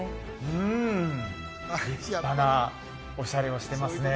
うん立派なオシャレをしてますね